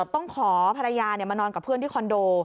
ต้องขอภรรยามานอนกับเพื่อนที่คอนโด